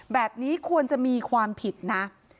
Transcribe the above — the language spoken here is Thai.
แบบนี้ควรจะมีความผิดนะ